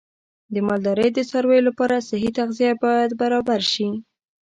د مالدارۍ د څارویو لپاره صحي تغذیه باید برابر شي.